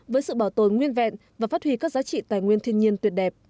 với sự bảo tồn nguyên vẹn và phát huy các giá trị tài nguyên thiên nhiên tuyệt đẹp